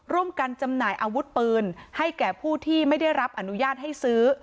จำหน่ายอาวุธปืนให้แก่ผู้ที่ไม่ได้รับอนุญาตให้ซื้อ